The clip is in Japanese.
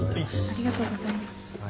ありがとうございます。